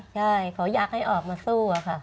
ใช่เขาอยากให้ออกมาสู้อะค่ะ